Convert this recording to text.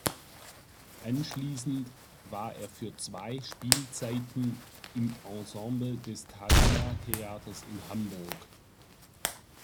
Anschließend war er für zwei Spielzeiten im Ensemble des Thalia Theaters in Hamburg.